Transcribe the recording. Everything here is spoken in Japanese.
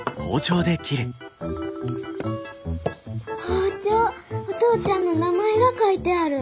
包丁お父ちゃんの名前が書いてある。